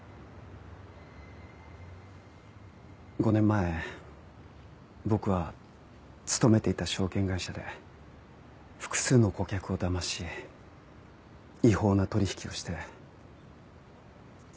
５年前僕は勤めていた証券会社で複数の顧客をだまし違法な取り引きをして。